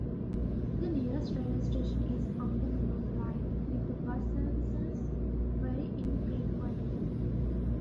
The nearest rail station is on the Minobu Line, with bus services very infrequently.